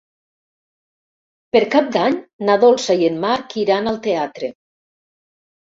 Per Cap d'Any na Dolça i en Marc iran al teatre.